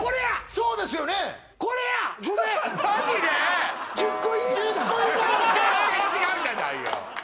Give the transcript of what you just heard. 全然違うじゃないよ